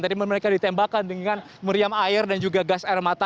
tadi mereka ditembakkan dengan meriam air dan juga gas air mata